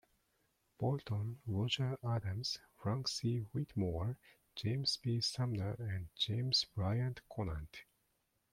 Bolton, Roger Adams, Frank C. Whitmore, James B. Sumner and James Bryant Conant.